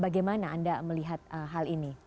bagaimana anda melihat hal ini